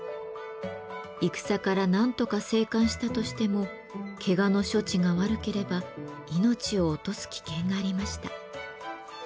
戦から何とか生還したとしてもけがの処置が悪ければ命を落とす危険がありました。